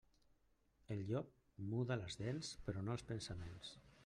El llop muda les dents, però no els pensaments.